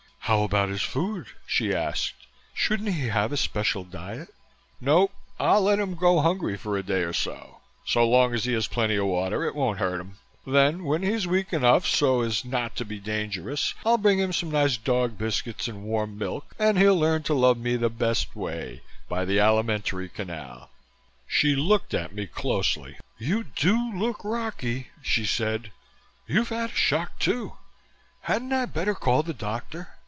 "How about his food?" she asked. "Shouldn't he have a special diet?" "No. I'll let him go hungry for a day or so. So long as he has plenty of water it won't hurt him. Then when he's weak enough so as not to be dangerous I'll bring him some nice dog biscuits and warm milk and he'll learn to love me the best way, by the alimentary canal." She looked at me closely, "You do look rocky," she said. "You've had a shock, too. Hadn't I better call the doctor?"